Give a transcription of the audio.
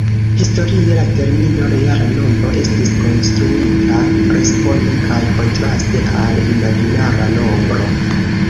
Historie la termino "reala nombro" estis konstruita responde kaj kontraste al imaginara nombro.